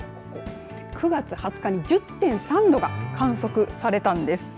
９月２０日に１０．３度が観測されたんです。